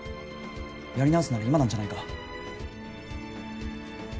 やり直すなら今なんじゃないか？